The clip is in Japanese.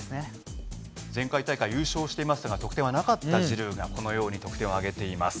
前回大会優勝していますが得点はなかったジルーがこのように得点を挙げています。